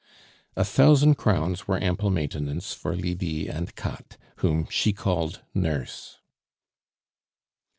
A thousand crowns were ample maintenance for Lydie and Katt, whom she called nurse.